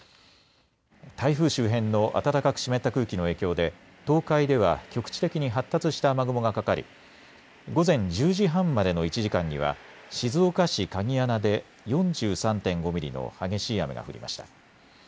台風周辺の暖かく湿った空気の影響で東海では局地的に発達した雨雲がかかり午前１０時半までの１時間には静岡市鍵穴で４３．５ミリの激しい雨が降りました。